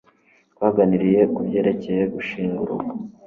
Twaganiriye kubyerekeye gushinga urugo.